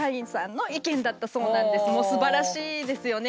もうすばらしいですよね。